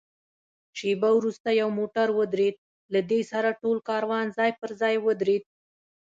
شېبه وروسته یو موټر ودرېد، له دې سره ټول کاروان ځای پر ځای ودرېد.